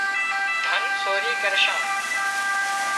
ڌن سورِي ڪرشان